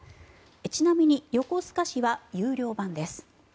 ちなみに横須賀市は有料版です。